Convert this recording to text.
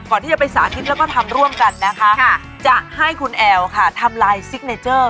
ก่อนที่จะไปสาธิตแล้วก็ทำร่วมกันนะคะจะให้คุณแอลค่ะทำลายซิกเนเจอร์